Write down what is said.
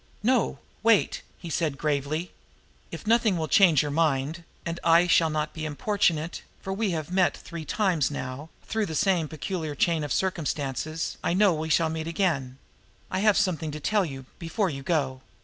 "No! Wait!" he said gravely. "If nothing will change your mind and I shall not be importunate, for, as we have met three times now through the same peculiar chain of circumstances, I know we shall meet again I have something to tell you, before you go.